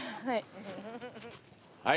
はい。